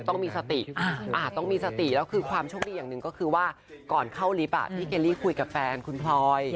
ต้องมีสติต้องมีสติแล้วคือความโชคดีอย่างหนึ่งก็คือว่าก่อนเข้าลิฟต์พี่เคลลี่คุยกับแฟนคุณพลอย